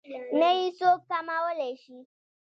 نه يې څوک کمولی شي.